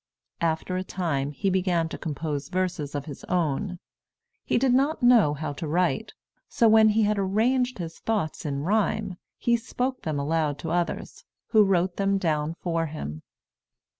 After a time, he began to compose verses of his own. He did not know how to write; so when he had arranged his thoughts in rhyme, he spoke them aloud to others, who wrote them down for him.